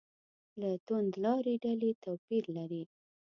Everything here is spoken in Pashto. له توندلارې ډلې توپیر لري.